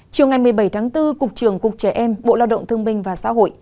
chiều ngày một mươi bảy tháng bốn cục trưởng cục trẻ em bộ lao động thương minh và xã hội